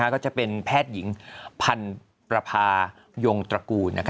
ก็จะเป็นแพทย์หญิงพันประพายงตระกูล